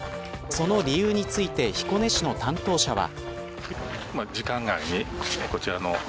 その理由について彦根市の担当者は。